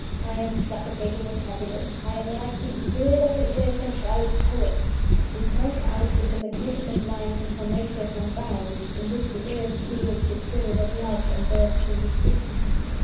I am suffocating with happiness I am like the Spirit of the Earth in Shelley's poem." He broke out with the magnificent lines in "Prometheus Unbound," in which the Earth feels the Spirit of Love, and bursts into speech.